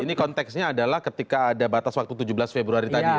ini konteksnya adalah ketika ada batas waktu tujuh belas februari tadi